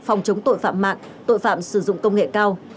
phòng chống tội phạm mạng tội phạm sử dụng công nghệ cao